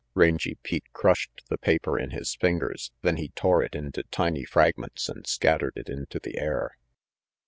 Rangy Pete crushed the paper in his fingers; then he tore it into tiny fragments and scattered it into the air.